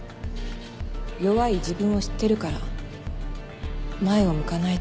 弱い自分を知ってるから前を向かないと。